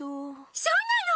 そうなの！？